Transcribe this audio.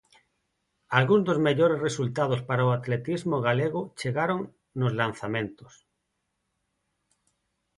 Algúns dos mellores resultados para o atletismo galego chegaron nos lanzamentos.